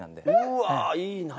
うわいいな。